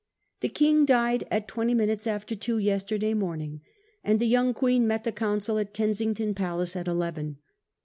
' The King died at twenty minutes after two yes terday morning, and the young Queen met the Council at Kensington Palace at eleven.